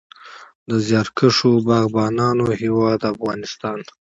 د زیارکښو باغبانانو هیواد افغانستان.